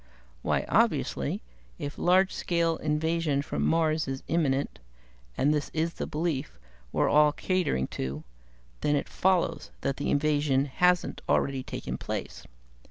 "Why, obviously, if large scale invasion from Mars is imminent and this is the belief that we're all catering to then it follows that the invasion hasn't already taken place.